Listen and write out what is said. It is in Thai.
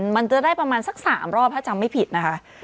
มันจะได้ประมาณสัก๓รอบถ้าจำไม่ผิดนะคะ